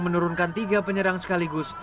menurunkan tiga penyerang sekaligus